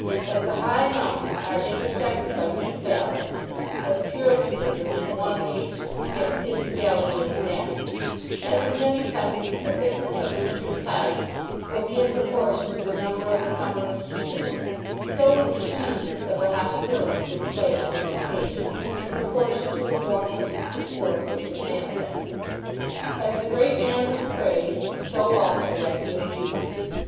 As the high mountains are intersected by deep valleys, as puritanism in one age begets infidelity in the next, as in many countries the thickness of the winter's ice will be in proportion to the number of the summer musquitoes, so was the keenness of the hostility displayed on this occasion in proportion to the warmth of the support which was manifested. As the great man was praised, so also was he abused.